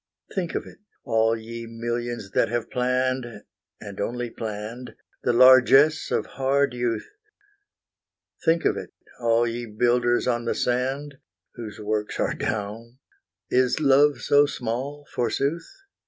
Think of it, all ye millions that have planned, And only planned, the largess of hard youth! Think of it, all ye builders on the sand, Whose works are down! Is love so small, forsooth?